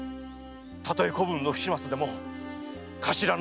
〔たとえ子分の不始末でも頭の私の罪だ！〕